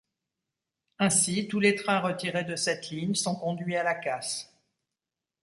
Ainsi, tous les trains retirés de cette ligne sont conduits à la casse.